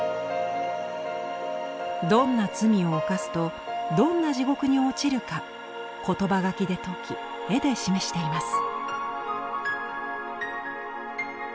どんな罪を犯すとどんな地獄に落ちるかことば書きで説き絵で示しています。